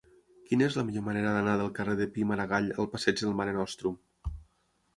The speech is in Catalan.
Quina és la millor manera d'anar del carrer de Pi i Margall al passeig del Mare Nostrum?